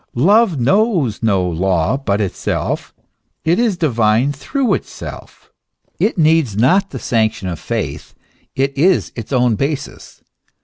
* Love knows no law but itself; it is divine through itself; it needs not the sanction of faith ; it is its own basis.